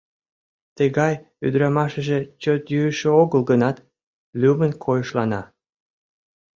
Тыгай ӱдырамашыже чот йӱшӧ огыл гынат, лӱмын койышлана.